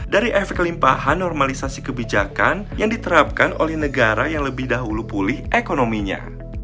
dari efek limpahan normalisasi kebijakan yang diterapkan oleh negara yang lebih dahulu pulih ekonominya